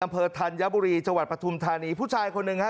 ดรธันยบุรีปฐุมธานีผู้ชายคนหนึ่งค่ะ